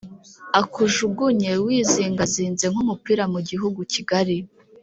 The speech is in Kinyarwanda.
akujugunye wizingazinze nk’umupira mu gihugu kigari.